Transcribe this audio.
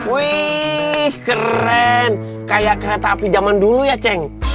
wih keren kayak kereta api zaman dulu ya ceng